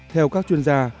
theo các chuyên gia